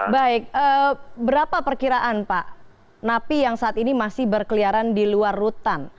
baik berapa perkiraan pak napi yang saat ini masih berkeliaran di luar rutan